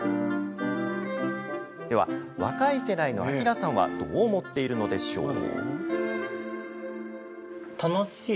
では、若い世代の聖さんはどう思っているのでしょう？